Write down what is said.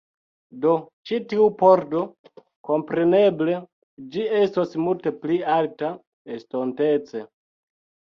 Do, ĉi tiu pordo, kompreneble, ĝi estos multe pli alta, estontece